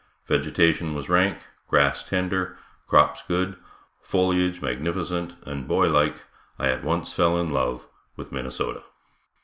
Vegetation was rank, grass tender, crops good, foliage magnificent, and boy like, I at once fell in love with Minnesota.